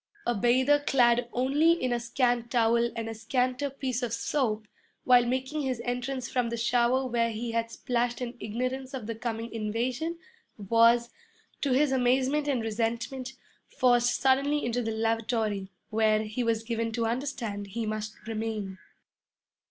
A bather clad only in a scant towel and a scanter piece of soap, while making his entrance from the shower where he had splashed in ignorance of the coming invasion, was, to his amazement and resentment, forced suddenly into the lavatory, where, he was given to understand, he must remain.